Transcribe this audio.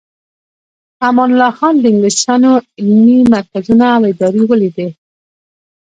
امان الله خان د انګلیسانو علمي مرکزونه او ادارې ولیدې.